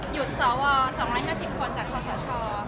หยุดสว๒๕๐คนจากขอสช